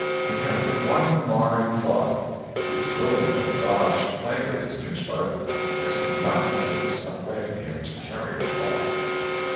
He had but one marring thought; he was willing that the dog should play with his pinchbug, but he did not think it was upright in him to carry it off.